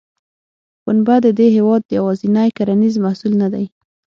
پنبه د دې هېواد یوازینی کرنیز محصول نه دی.